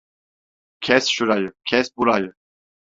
Kes şurayı, kes burayı!